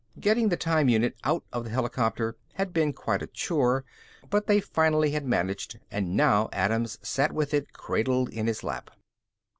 Getting the time unit out of the helicopter had been quite a chore, but they finally had managed and now Adams sat with it cradled in his lap.